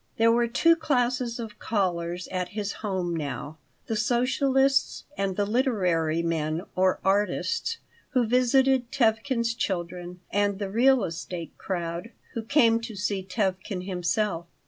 There were two classes of callers at his home now: the socialists and the literary men or artists who visited Tevkin's children and the "real estate crowd" who came to see Tevkin himself.